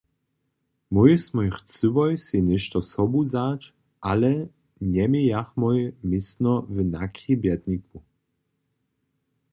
Mój smój chcyłoj sej něšto sobu wzać, ale njemějachmoj městno w nachribjetniku.